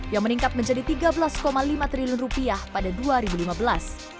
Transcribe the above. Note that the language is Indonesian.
yang meningkat menjadi tiga belas lima triliun rupiah pada dua ribu lima belas